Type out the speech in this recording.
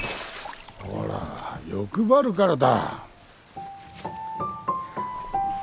ほら欲張るからだ。